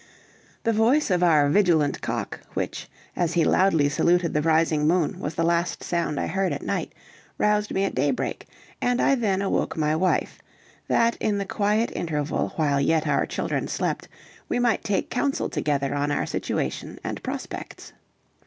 The voice of our vigilant cock, which, as he loudly saluted the rising moon, was the last sound I heard at night, roused me at daybreak, and I then awoke my wife, that in the quiet interval while yet our children slept, we might take counsel together on our situation and prospects.